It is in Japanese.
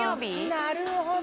なるほど。